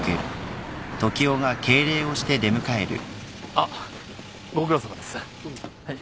あっご苦労さまです。